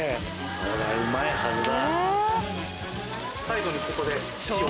これはうまいはずだ。